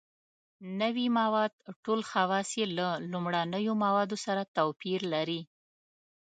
نوي مواد ټول خواص یې له لومړنیو موادو سره توپیر لري.